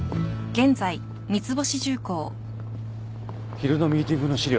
昼のミーティングの資料